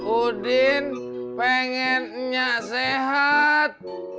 udin pengen nyak sehat